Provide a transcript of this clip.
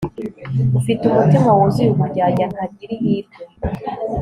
ufite umutima wuzuye uburyarya, ntagira ihirwe